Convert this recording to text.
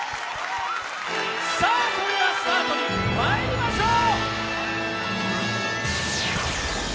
それでは、スタート、まいりましょう！